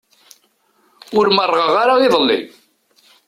Ur merrɣeɣ ara iḍelli.